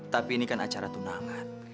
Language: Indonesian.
tapi ini kan acara tunangan